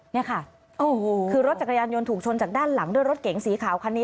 นี่ค่ะโอ้โหคือรถจักรยานยนต์ถูกชนจากด้านหลังด้วยรถเก๋งสีขาวคันนี้